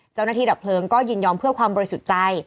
เจ้าหน้าที่ดับเพลิงก็ยินยอมเพื่อความบริสุทธิ์ใจ